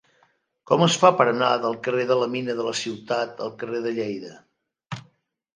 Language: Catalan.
Com es fa per anar del carrer de la Mina de la Ciutat al carrer de Lleida?